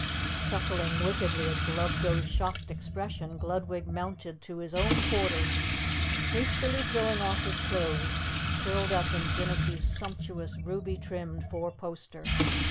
Chuckling wickedly at Glubdo's shocked expression, Gludwig mounted to his own quarters and hastily throwing off his clothes, curled up in Jinnicky's sumptuous ruby trimmed four poster.